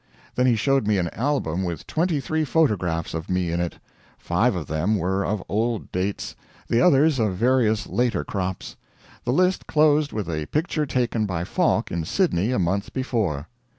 Then he showed me an album with twenty three photographs of me in it. Five of them were of old dates, the others of various later crops; the list closed with a picture taken by Falk in Sydney a month before.